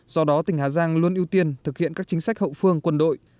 do đó tỉnh hà giang luôn ưu tiên thực hiện các chính sách hậu phương quân đội